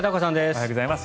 おはようございます。